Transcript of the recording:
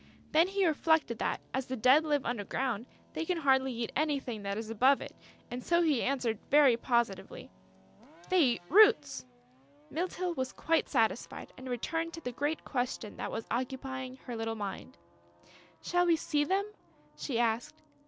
Then he reflected that, as the Dead live under ground, they can hardly eat anything that is above it; and so he answered very positively: "They eat roots!" Mytyl was quite satisfied and returned to the great question that was occupying her little mind: "Shall we see them?" she asked.